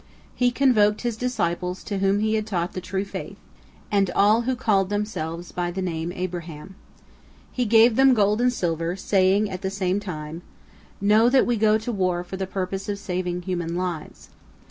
He convoked his disciples to whom he had taught the true faith, and who all called themselves by the name Abraham. He gave them gold and silver, saying at the same time: "Know that we go to war for the purpose of saving human lives.